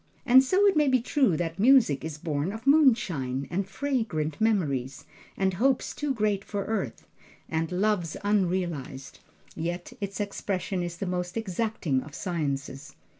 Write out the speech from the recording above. And so it may be true that music is born of moonshine, and fragrant memories, and hopes too great for earth, and loves unrealized; yet its expression is the most exacting of sciences.